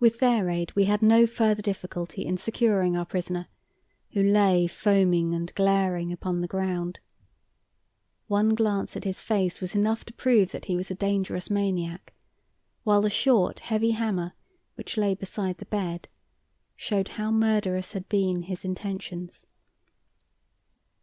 With their aid we had no further difficulty in securing our prisoner, who lay foaming and glaring upon the ground. One glance at his face was enough to prove that he was a dangerous maniac, while the short, heavy hammer which lay beside the bed showed how murderous had been his intentions.